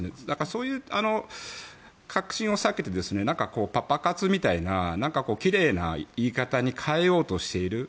そういう核心を避けてパパ活みたいな奇麗な言い方に変えようとしている。